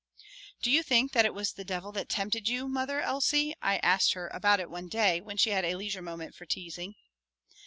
"Do you think that it was the devil that tempted you, Mother Elsie?" I asked her about it one day when she had a leisure moment for teasing.